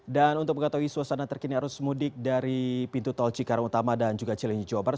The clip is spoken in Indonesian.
dan untuk mengataui suasana terkini arus mudik dari pintu tol cikarang utama dan juga cilenji jawa barat